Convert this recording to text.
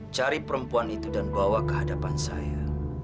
cari perempuan itu dan bawa ke hadapan saya